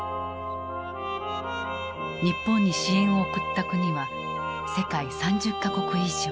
日本に支援を送った国は世界３０か国以上。